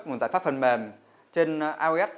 một giải pháp phần mềm trên ios